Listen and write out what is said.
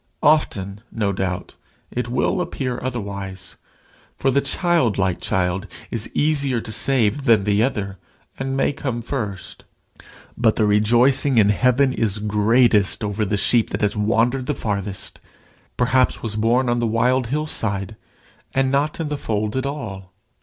Often, no doubt, it will appear otherwise, for the childlike child is easier to save than the other, and may come first. But the rejoicing in heaven is greatest over the sheep that has wandered the farthest perhaps was born on the wild hill side, and not in the fold at all.